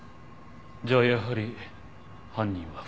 じゃあやはり犯人は２人。